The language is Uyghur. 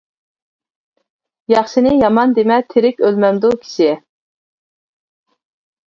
ياخشىنى يامان دېمە، تىرىك ئۆلمەمدۇ كىشى.